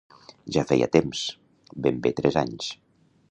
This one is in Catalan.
Ja feia temps, ben bé tres anys.